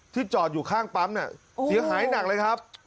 จอดอยู่ข้างปั๊มน่ะเสียหายหนักเลยครับ